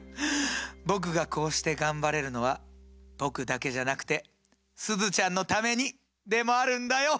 僕がこうして頑張れるのは僕だけじゃなくてすずちゃんのためにでもあるんだよ！